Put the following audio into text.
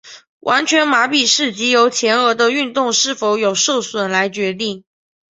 完全麻痹是藉由前额的运动是否有受损来决定。